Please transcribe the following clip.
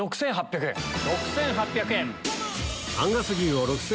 ６８００円。